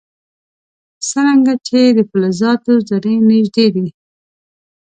څرنګه چې د فلزاتو ذرې نژدې دي.